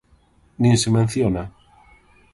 Nin se menciona.